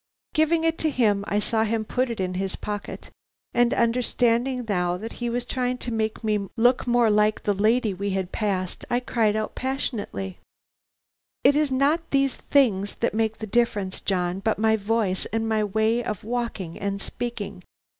Giving it to him I saw him put it in his pocket, and understanding now that he was trying to make me look more like the lady we had passed, I cried out passionately: 'It is not these things that make the difference, John, but my voice and way of walking and speaking.